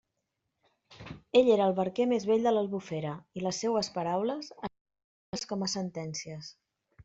Ell era el barquer més vell de l'Albufera, i les seues paraules havien de prendre's com a sentències.